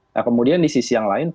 nah kemudian di sisi yang lain